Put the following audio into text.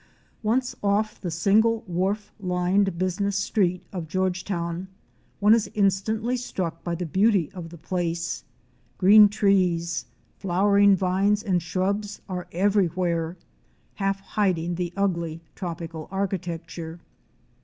Once off the single wharf lined, business street of George town, one is instantly struck by the beauty of the place. Green trees, flowering vines and shrubs are everywhere, half hiding the ugly, tropical architecture.